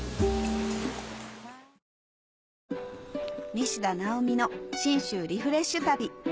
西田尚美の信州リフレッシュ旅！